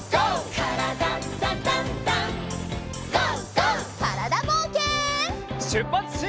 からだぼうけん。